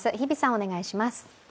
お願いします。